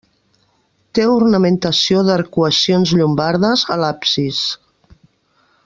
Té ornamentació d'arcuacions llombardes, a l'absis.